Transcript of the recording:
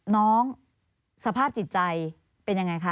น้องสภาพจิตใจเป็นอย่างไรคะ